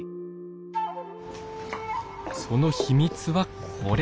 その秘密はこれ！